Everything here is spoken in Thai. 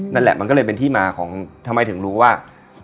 นั่นแหละมันก็เลยเป็นที่มาของทำไมถึงรู้ว่า